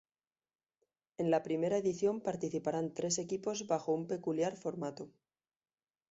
En la primera edición participarán tres equipos bajo un peculiar formato.